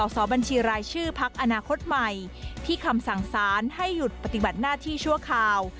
สอบบัญชีรายชื่อพักอนาคตใหม่ที่คำสั่งสารให้หยุดปฏิบัติหน้าที่ชั่วคราว